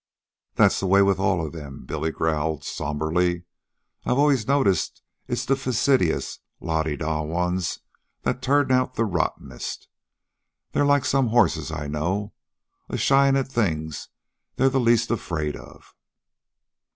"That's the way with all of them," Billy growled somberly. "I've always noticed it's the fastidious, la de da ones that turn out the rottenest. They're like some horses I know, a shyin' at the things they're the least afraid of."